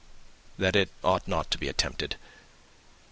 "That it ought not to be attempted.